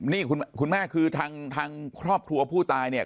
นี่คุณแม่คือทางครอบครัวผู้ตายเนี่ย